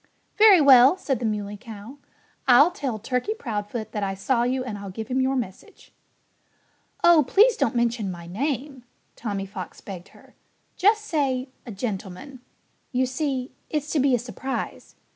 "Very well!" said the Muley Cow. "I'll tell Turkey Proudfoot that I saw you and I'll give him your message." "Oh! Please don't mention my name!" Tommy Fox begged her. "Just say, 'a gentleman.' You see, it's to be a surprise....